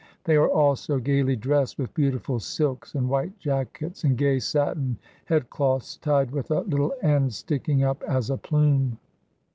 They are all so gaily dressed, with beautiful silks and white jackets and gay satin head cloths, tied with a little end sticking up as a plume.